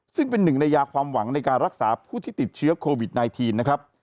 ซึ่งเป็นหนึ่งในยาความหวังในการรักษาผู้ที่ติดเชื้อโควิด๑๙นะครับ